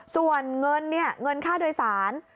ส่วนเงินเนี่ยเงินค่าโดยสาร